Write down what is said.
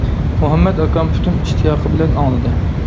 مۇھەممەت ئاكام پۈتۈن ئىشتىياقى بىلەن ئاڭلىدى.